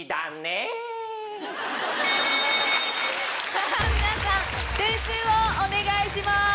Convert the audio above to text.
さぁ皆さん点数をお願いします。